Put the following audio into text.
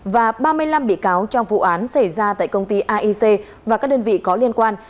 và ba mươi năm bị cáo trong vụ án xảy ra tại công ty aic và các đơn vị có liên quan